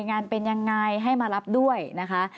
งานเป็นยังไงให้มารับด้วยนะคะ